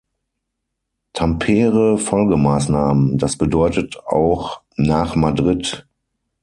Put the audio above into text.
Tampere-Folgemaßnahmen, das bedeutet auch "Nach-Madrid".